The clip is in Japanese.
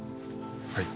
はい。